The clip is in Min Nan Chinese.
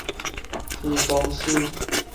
天公生